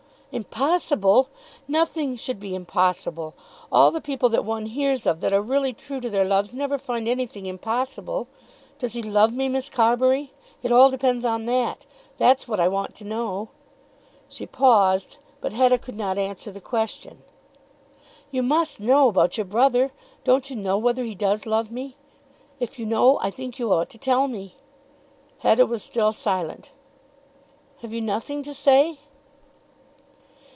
"Impossible! Nothing should be impossible. All the people that one hears of that are really true to their loves never find anything impossible. Does he love me, Miss Carbury? It all depends on that. That's what I want to know." She paused, but Hetta could not answer the question. "You must know about your brother. Don't you know whether he does love me? If you know I think you ought to tell me." Hetta was still silent. "Have you nothing to say?"